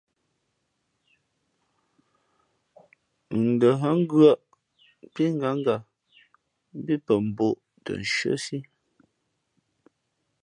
N ndα hά ngʉᾱʼ pí ngánga mbí pαmbᾱ ō tα nshʉ́άsí.